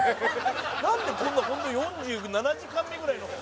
「なんでこんなホント４７時間目ぐらいの」